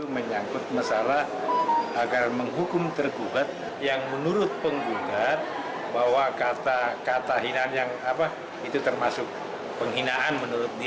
menyangkut masalah agar menghukum tergugat yang menurut penggugat bahwa kata kata hinaan yang apa itu termasuk penghinaan menurut dia